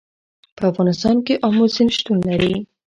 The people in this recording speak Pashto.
په افغانستان کې آمو سیند شتون لري.